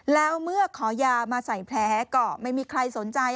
แล้วเมื่อขอยามาใส่แผลก็ไม่มีใครสนใจ